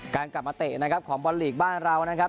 กลับมาเตะนะครับของบอลลีกบ้านเรานะครับ